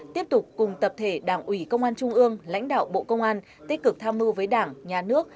tiếp tục cùng tập thể đảng ủy công an trung ương lãnh đạo bộ công an tích cực tham mưu với đảng nhà nước